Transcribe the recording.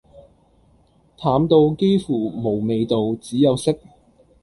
淡到幾乎無味道只有色